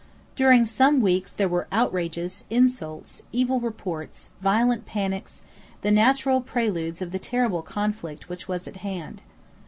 During some weeks there were outrages, insults, evil reports, violent panics, the natural preludes of the terrible conflict which was at hand.